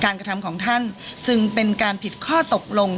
กระทำของท่านจึงเป็นการผิดข้อตกลง